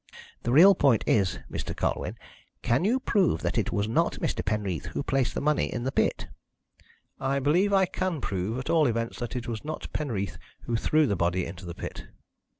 The real point is, Mr. Colwyn, can you prove that it was not Mr. Penreath who placed the money in the pit?" "I believe I can prove, at all events, that it was not Penreath who threw the body into the pit."